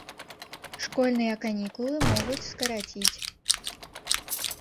Школьныя канікулы могуць скараціць.